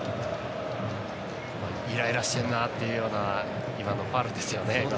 イライラしてんなっていう今のファウルですよね。